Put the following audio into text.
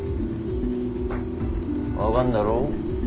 分かんだろ？